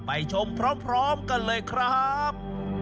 ไปชมพร้อมกันเลยครับ